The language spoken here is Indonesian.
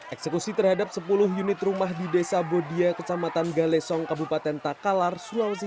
eksekusi terhadap sepuluh unit rumah di desa bodia kecamatan galesong kabupaten takalar sulawesi